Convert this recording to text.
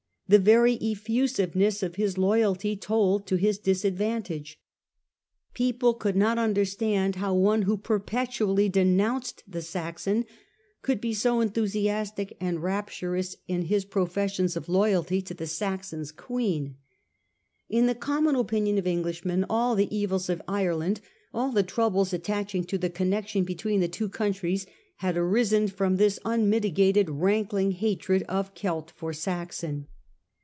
The very effusiveness of his loyalty told to his disadvantage. People could not understand how one who perpetually denounced 'the Saxon' could be so enthusiastic and rapturous in his profes 1848. O'CONNELL'S LOYALTY. 283 sions of loyalty to tlie Saxon's Queen. In tlie com mon opinion of Englishmen, all the evils of Ireland, all the troubles attaching to the connection between the two countries, had arisen from this unmitigated, rankling hatred of Celt for Saxon.